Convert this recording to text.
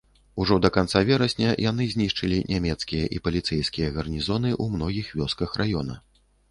Ужо да канца верасня яны знішчылі нямецкія і паліцэйскія гарнізоны ў многіх вёсках раёна.